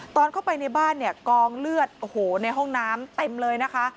ตอนเข้าไปในบ้านเนี่ยกองเลือดโอ้โหในห้องน้ำเต็มเลยนะคะ